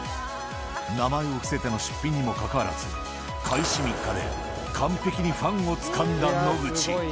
名前を伏せての出品にもかかわらず、開始３日で完璧にファンをつかんだ野口。